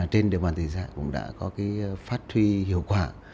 trên địa bàn thị xã cũng đã có phát huy hiệu quả